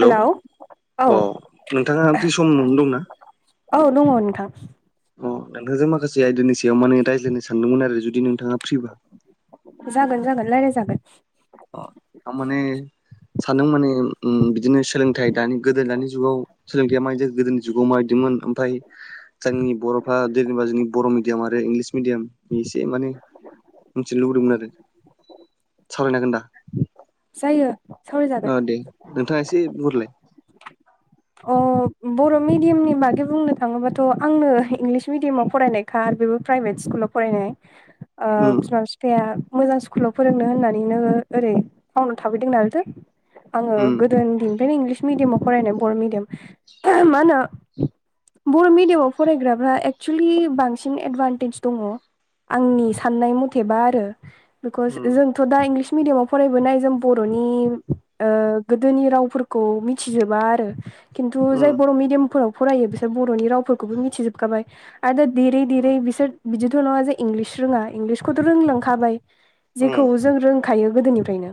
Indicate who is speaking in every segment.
Speaker 1: Hello
Speaker 2: hello औ औ
Speaker 1: अ नोंथाङा फ्रि सम दंना
Speaker 2: दङ नोंथां
Speaker 1: अ नोंथांजों माखासे आयदानि सायाव माने रायज्लायनो सानदोंमोन आरो जुदि नोंथाङा फ्रिबा
Speaker 2: जागोन जागोन लायारायनो जागोन
Speaker 1: अ थारमाने सानदों माने बिदिनो सोलोंथाइ दानि गोदो दानि जुगाव सोलोंथाया मायदि गोदोनि जुगाव माबायदिमोन आमफाय जोंनि बर'फ्रा जेनेबा जोंनि बर' मिडियाम आरो इंलिस मिडियाम नि एसे माने मोनसिनो लुबैदोंमोन आरो सावरायनो हागोन दा?
Speaker 2: जायो
Speaker 1: ओ
Speaker 2: सावरायजागोन
Speaker 1: दे नोंथाङा एसे बहुरलाय
Speaker 2: अ बर' मिडियामनि बागै बुंनो थाङोबाथ' आंनो इंलिस मिडियामाव फरायनाय खा बेबो प्राइभेट स्कुलाव फरायनाय ओ
Speaker 1: उम
Speaker 2: बिमा बिफाया मोजां स्कुलाव फोरोंनो होननानै नो ओरै टाउनाव थाबफैदों नालो आङो
Speaker 1: उम
Speaker 2: गोदो उन्दनिफ्रायनो इंलिस मिडियामाव फरायनाय बर' मिडियाम मा होनो बर' मिडियामाव फरायग्राफ्रा एक्सुलि बांसिन एदभान्टेज दङ आंनि साननाय मथेबा आरो बिकस
Speaker 1: उम
Speaker 2: जों थ' दा इंलिस मिडियामाव फरायबोनाय जों बर'नि गोदोनि रावफोरखौ मिथिजोबा आरो खिन्थु जाय
Speaker 1: उम
Speaker 2: बर' मिडियामफोराव फरायो बिसोर बर'नि रावफोरखौबो मिथिजोबखाबाय आरो दा देरै
Speaker 1: उम
Speaker 2: देरै बिसोर बिदिथ' नङा जे इंलिस रोङा इंलिसखौथ' रोंलांखाबाय जेखौ
Speaker 1: उम
Speaker 2: जों रोंखायो गोदोनिफ्रायनो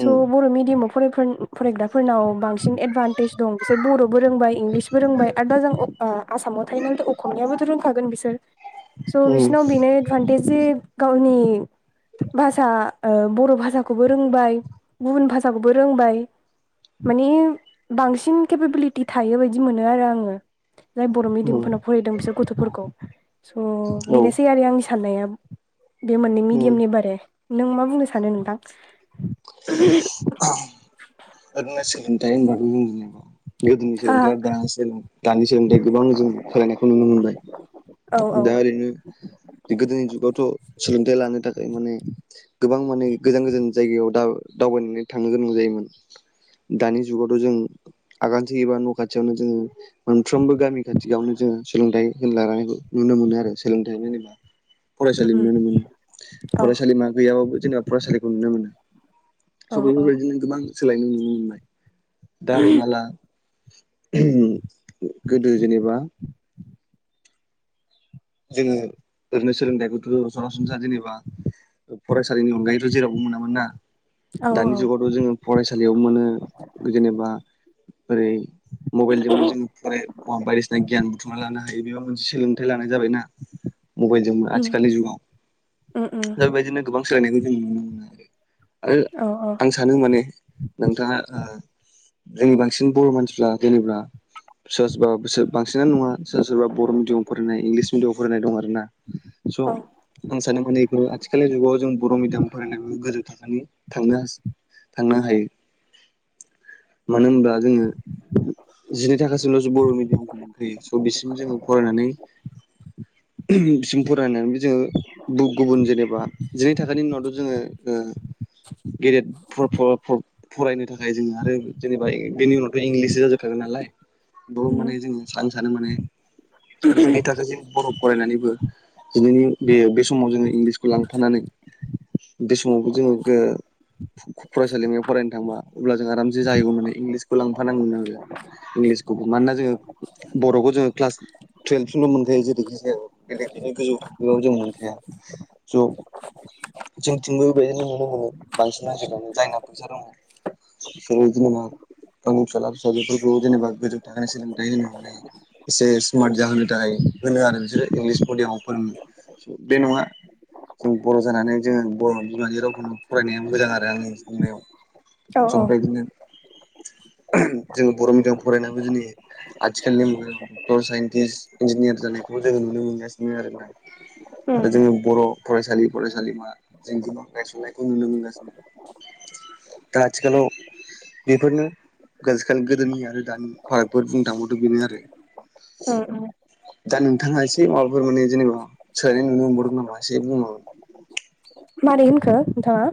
Speaker 2: स' बर' मिडियामाव फरायग्राफोरनाव बांसिन दं एदभान्टेज बिसोर बर'बो रोंबाय इंलिसबो रोंबाय आरो दा जों आसामाव थायो नाल' खमनायाबोथ' रोंखागोन बिसोर स'
Speaker 1: उम
Speaker 2: बिसोरनाव बेनो एदभान्टेज जे गावनि भाषा बर' भाषाखौबो रोंबाय गुबुन भाषाखौबो रोंबाय माने बांसिन केपेबिलिटि थायो बायदि मोनो आरो आङो जाय बर'
Speaker 1: उम
Speaker 2: मिडियामफोरनाव फरायदों बिसोर गथ'फोरखौ स'
Speaker 1: औ
Speaker 2: बेनोसै आरो आं साननाया बे मोननै
Speaker 1: उम
Speaker 2: मिडियामनि बारे नों मा बुंनो सानो नोंथां?
Speaker 1: ओरैनो सोलोंथाइ होनबाथ' [unintelligible] गोदोनि
Speaker 2: आ
Speaker 1: सोलोंथाइ आरो दानि सोलों दानि सोलोंथाइ गोबां जों सोलायनायखौ नुनो मोनबाय।
Speaker 2: औ औ
Speaker 1: दा ओरैनो गोदोनि जुगावथ' सोलोंथाइ लानो थाखाय माने गोबां माने गोजान गोजान जायगायाव दा दावबायनानै थांनो गोनां जायोमोन। दानि जुगावथ' जों आगानसे एबा न' खाथियावनो जोङो मोनफ्रोमबो गामि खाथियावनो जोङो सोलोंथाइ होननायखौ नुनो मोनो आरो सोलोंथाइ होनोबा
Speaker 2: उम
Speaker 1: फरायसालि
Speaker 2: उम
Speaker 1: नुनो मोनो
Speaker 2: औ
Speaker 1: फरायसालिमा गैयाबाबो जेनेबा फरायसालिखौ नुनो मोनो। स'
Speaker 2: औ औ
Speaker 1: बेफोरबायदिनो गोबां सोलायनो नुनो मोनबाय दा हमना ला गोदो जेनेबा जोङो ओरैनो सोलोंथाइखौथ' सरासनस्रा जेनेबा फरायसालिनि अनगायैथ' जेरावबो मोनामोन ना
Speaker 2: औ
Speaker 1: दानि जुगावथ' जोङो फरायसालियाव मोनो जेनेबा ओरै मबाइलजोंबो जों फराय [unintelligible] बायदिसिना गियान बुथुमना लानो हायो बेबो मोनसे सोलोंथाइ ला नाय जाबाय ना मबाइल जोंबो
Speaker 2: उम
Speaker 1: आथिखालनि जुगाव
Speaker 2: उम
Speaker 1: दा
Speaker 2: उम
Speaker 1: बेबायदिनो गोबां सोलायनायखौ जों नुनो मोनो आरो
Speaker 2: औ औ
Speaker 1: आं सा सानो माने नोंथाङा ओ जोंनि बांसिन बर' मानसिफ्रा जेनेब्ला सोरबा सोरबा बिसोर बांसिनानो नङा सोरबा सोरबा बर' मिडियामाव फर फरायनाय इंलिस मिडियामआव फरायनाय दं आरोना स'
Speaker 2: औ
Speaker 1: आं सानो माने बेफोर आथिखालनि जुगाव जों बर' मिडियाम फरायनायाबो गोजौथानि थांनो हासै थांनो हायो मानो होनब्ला जोङो जिनै थाखासिमल' जों बर' मिडियामखौ मोनखायो स' बिसिम जोङो फरायनानै बिसिम फरायनानै बि जोङो गु-गुबुन जेनेबा जिनै थाखोनि उनावथ' जोङो ओ गेदेद [unintelligible] फरायनो थाखाय जोङो आरो जेनेबा ए बेनि उनावथ' इंलिससो जाजोबखागोन नालाय बाव
Speaker 2: उम
Speaker 1: माने जोङो सानो सानो माने जिनै थाखोसिम बर' फरायनानैबो दिनैनि बे बे समाव जोङो इंलिसखौ लांफानानै बे समाव जोङो फरायसालिमायाव फरायनो थांबा अब्ला जों आराम जे जायगायाव माने इंलिसखौ लांफानांगोन आरो इंलिसखौबो मानोना जोङो बर'खौ जोङो क्लास टुवेल्भसिमल' मोनखायो जेरैखि जाया बेेलेग बेनि गोजौ थाखोआव जों मोनखाया ज' जोंथिंबो बेदिनो नुनो मोनो बांसिन नागिरनानै जायना फैसा दङ फिसाखौ जेनेबा गावनि फिसाला फिसाजोफोरखौ जेनेबा गोजौ थाखोनि सोलोंथाइ होनो होननाय एसे स्मार्ट जाहोनो थाखाय होनो आरो बिसोरो इंलिस मडियामाव फोरों सो बे नङा जों बर' जानानै जोङो बर' बिमानि रावखौनो फरायनाया मोजां आरो आंनि साननायाव
Speaker 2: औ औ
Speaker 1: सम बायदिनो जोङो बर' मिडियामाव फरायनाबो जोंनि आथिखालनि मुगायाव डक्टर साइन थिस इन्जिनियार जानायखौबो जोङो नुनो मोनगासिनो आरोना
Speaker 2: उम
Speaker 1: आरो जोङो बर' फरायसालि फरायसालिमा जों गोबां गायसननायखौ नुनो मोनगासिनो दा आथिखालाव बेफोरनो गोजोखान गोदोनि आरो दानि भारतफोर बुंनो थांबावदों बेनो आरो
Speaker 2: उम। उम
Speaker 1: दा नोंथाङा एसे माबाफोर माने जेनेबा सोलायनाय नुनो मोनबावदों नामा एसे बुंबाव
Speaker 2: मारै होनखो नोंथाङा?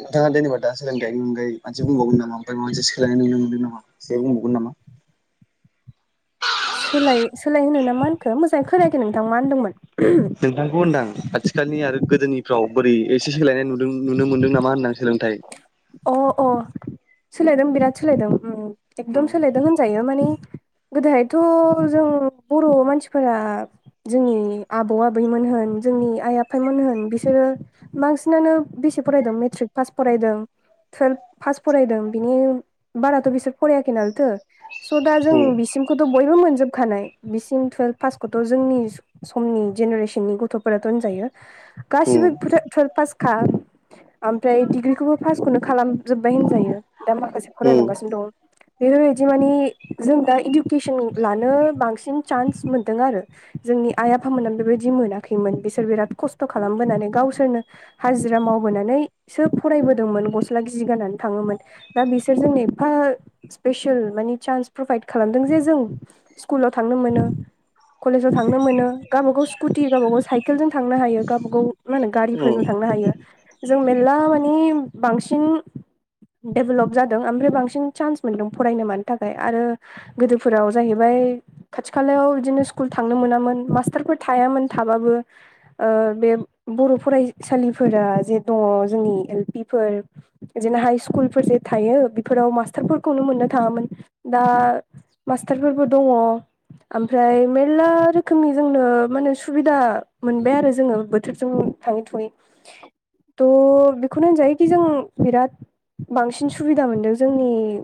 Speaker 1: नोंथाङा जेनेबा दा सोलोंथाइनि अनगायै मोनसे बुंबावोन नामा आमफ्राय माबा मोनसे सोलायनाय नुनो मोनदों नामा एसे बुंबावगोन नामा?
Speaker 2: सोलाय सोलाय होनो ना मा होनखो मोजाङै खोनायाखो नोंथां मा होनदोंमोन?
Speaker 1: नोंथांखौ होनदां आथिखालनि आरो गोदोनिफ्राव बोरै एसे सोलायनाय नुदों नुनो मोनदों नामा होनदां सोलोंथाइ
Speaker 2: अ अ सोलायदों बिराद सोलायदों
Speaker 1: उम
Speaker 2: एकदम सोलायदों होनजायो माने गोदोहथ' जों बर' मानसिफोरा जोंनि आबौ आबैमोन होन जोंनि आइ आफायमोन होन बिसोरो बांसिनानो बेसे फरायदों मेट्रिक पास फरायदों। टुवेल्भ पास फरायदों बिनि बाराथ' बिसोर फरायाखै नालथो स' दा जों
Speaker 1: उम
Speaker 2: बिसिमखौथ' बयबो मोनजोबखानाय बिसिम टुवेल्भ पासखौथ' जोंनि समनि जेनेरेसननि गथ'फोराथ' होनजायो। गाससिबो
Speaker 1: उम
Speaker 2: टुव पासखा ओमफ्राय डिग्रिखौबो फासखौनो खालामजोबबाय होनजायो दा माखासे फरायलांगासिनो
Speaker 1: उम
Speaker 2: दं। बेफोरबायदि मानिे जों दा इडुकेसन लानो बांसिन चान्स मोन्दों आरो। जोंनि आइ आफामोना बेबायदि मोनाखैमोन बिसोर बिराद खस्थ' खालामबोनानै गावसोरनो हाजिरा मावबोनानैसो फरायब मोन गस्ला गिजि गाननानै थाङोमोन दा बिसोरजोंनो एफा स्पेसियेल माने चान्स प्रभाइद खालामदों जे जों स्कुलाव थांनो मोनो। कलेजाव थांनो मोनो गावबाागाव स्कुटि गावबा गाव साइकेलजों थांनो हायो गावबागाव मा होनो
Speaker 1: उम
Speaker 2: गारिफोरजों थांनो हायो जों मेरला माने बांसिन डेभेलप जादों ओमफ्राय बांसिन चान्स मोनदों फरायनो मानो थाखाय आरो गोदोफोराव जाहैबाय खाथि खालायाव बिदिनो स्कुल थांनो मोनामोन मास्टारफोर थायामोन थाबाबो बे बर' फरायसालिफोरा जे दङ जोंनि एल पि फोर बिदिनो हाइ स्कुलफोर जे थायो बेफोराव मास्टारफोरखौनो मोननो थाङामोन। दा मास्टारफोरबो दङ। ओमफ्राय मेलला रोखोमनि जोंनो माने सुबिदा मोनबाय आरो जोङो बोथोरजों थाङै थुयै
Speaker 1: [inaudible]
Speaker 2: थ' बेखौनो जायो खि जों बिराद बांसिन सुबिदा मोनदों जोंनि